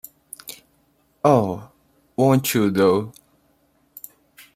Oh, won't you, though!